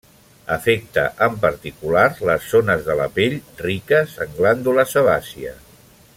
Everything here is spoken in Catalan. Afecta en particular les zones de la pell riques en glàndula sebàcia.